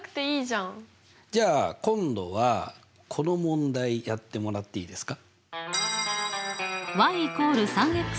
じゃあ今度はこの問題やってもらっていいですか？